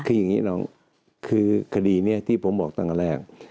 คืออย่างนี้น้องคือคดีนี้ที่ผมบอกตั้งแต่แรก